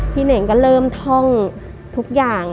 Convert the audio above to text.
เน่งก็เริ่มท่องทุกอย่าง